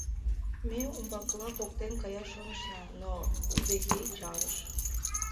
Ме умбакыла поктен каяш шонышна, но удэхей чарыш.